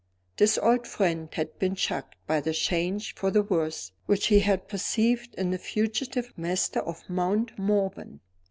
This old friend had been shocked by the change for the worse which he had perceived in the fugitive master of Mount Morven.